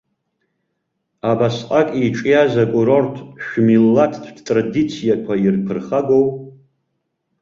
Абасҟак иҿиаз акурорт шәмилаҭтә традициақәа ирԥырхагоу?